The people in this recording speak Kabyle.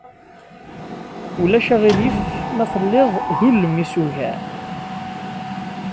Ulac aɣilif ma telliḍ d ulmis ugar?